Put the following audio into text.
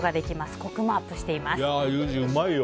コクもアップしています。